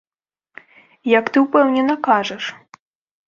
Як ты ўпэўнена кажаш!